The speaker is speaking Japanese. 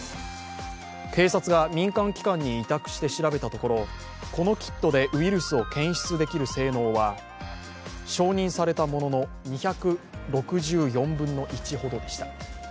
警察が民間機関に委託して調べたところこのキットでウイルスを検出できる性能は承認されたものの２６４分の１ほどでした。